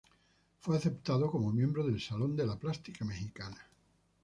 Fue aceptado como miembro del Salón de la Plástica Mexicana.